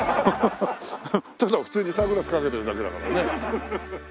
ただ普通にサングラスかけてるだけだからね。